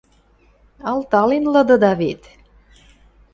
Алтален лыдыда вет!